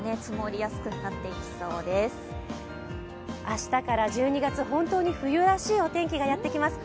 明日から１２月、冬らしいお天気がやってきます。